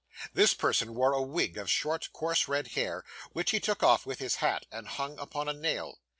This person wore a wig of short, coarse, red hair, which he took off with his hat, and hung upon a nail.